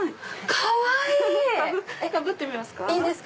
かぶってみますか？